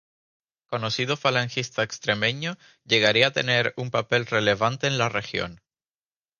Conocido falangista extremeño, llegaría a tener un papel relevante en la región.